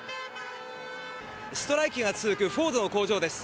ストライキが続くフォードの工場です。